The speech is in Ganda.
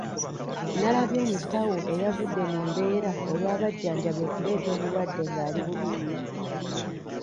Nalabye omusawo eyavudde mu mbeera olw'abajjanjabi okuleeta omulwadde ng'ali bubi nnyo.